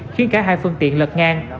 khiến cả hai phương tiện lật ngang